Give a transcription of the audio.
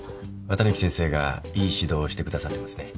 綿貫先生がいい指導をしてくださってますね。